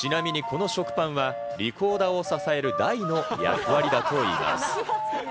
ちなみにこの食パンは、リコーダーを支える台の役割だといいます。